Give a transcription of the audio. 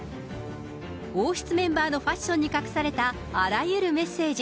王室メンバーのファッションに隠された、あらゆるメッセージ。